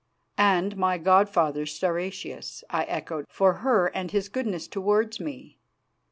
" And my god father Stauracius," I echoed, "for her and his goodness towards me.